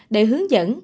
để hướng dẫn